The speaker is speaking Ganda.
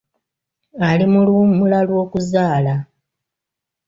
Ali mu luwummula lw'okuzaala.